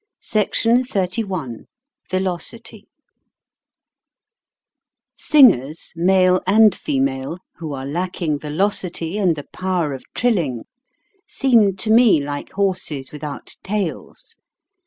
SECTION XXXI VELOCITY SINGERS, male and female, who are lacking velocity and the power of trilling, seem to me like horses without tails.